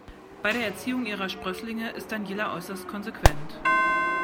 Bei der Erziehung ihrer Sprösslinge ist Daniela äußerst konsequent.